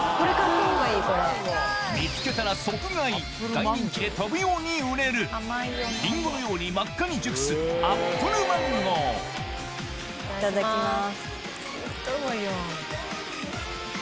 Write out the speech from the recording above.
大人気で飛ぶように売れるリンゴのように真っ赤に熟すいただきます。